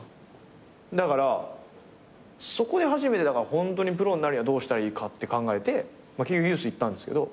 だからそこで初めてホントにプロになるにはどうしたらいいかって考えて結局ユース行ったんですけど。